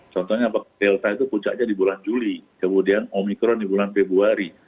contohnya delta itu puncaknya di bulan juli kemudian omikron di bulan februari